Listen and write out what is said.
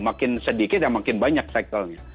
makin sedikit makin banyak cyclenya